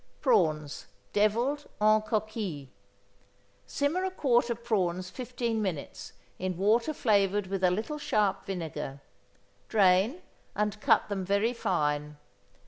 =Prawns, Deviled, en Coquille.= Simmer a quart of prawns fifteen minutes in water flavored with a little sharp vinegar; drain, and cut them very fine.